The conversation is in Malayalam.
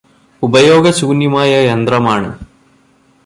ഉപയോഗശൂന്യമായ യന്ത്രമാണ്